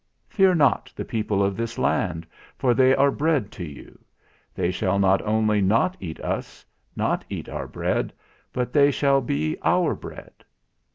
Fear not the people of this land, for they are bread to you; they shall not only not eat us, not eat our bread, but they shall be our bread.